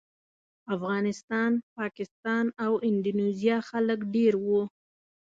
افغانستان، پاکستان او اندونیزیا خلک ډېر وو.